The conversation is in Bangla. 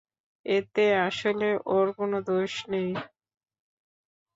এতে আসলে ওর কোনো দোষ নেই।